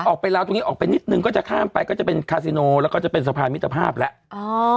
ไปแล้วตรงนี้ออกไปนิดนึงก็จะข้ามไปก็จะเป็นคาซิโนแล้วก็จะเป็นสะพานมิตรภาพแล้ว